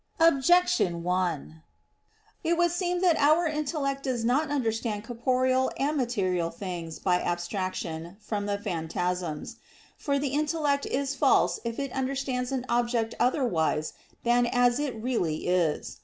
Objection 1: It would seem that our intellect does not understand corporeal and material things by abstraction from the phantasms. For the intellect is false if it understands an object otherwise than as it really is.